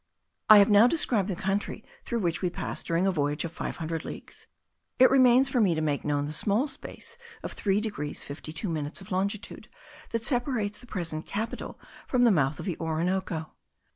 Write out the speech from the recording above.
I have now described the country through which we passed during a voyage of five hundred leagues; it remains for me to make known the small space of three degrees fifty two minutes of longitude, that separates the present capital from the mouth of the Orinoco.